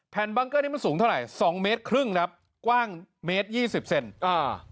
บังเกอร์นี้มันสูงเท่าไหร่สองเมตรครึ่งครับกว้างเมตรยี่สิบเซนอ่า